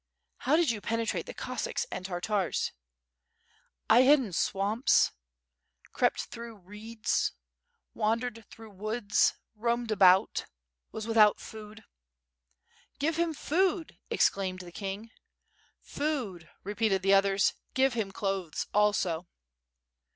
'' "How did you penetrate the Cossacks and Tartars?" "I hid in swamps ... crept through reeds ... wandered through woods, ... roamed about, ... was without food." "Give him food," exclaimed the king. "Food," repeated the others, "give him clothes also."